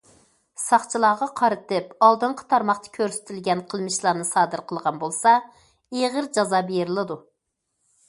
ساقچىلارغا قارىتىپ ئالدىنقى تارماقتا كۆرسىتىلگەن قىلمىشلارنى سادىر قىلغان بولسا، ئېغىر جازا بېرىلىدۇ.